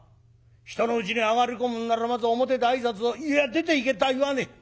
人のうちに上がり込むんならまず表で挨拶をいや出ていけとは言わねえ。